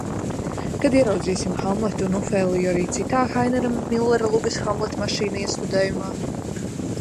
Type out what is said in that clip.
Kad ieraudzīsim Hamletu un Ofēliju arī citā, Hainera Millera lugas "Hamletmašīna", iestudējumā?